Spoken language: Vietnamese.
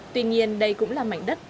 tuy nhiên đây cũng là mảnh đất